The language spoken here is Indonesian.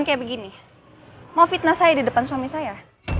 kayak begini mau fitnah saya di depan suami saya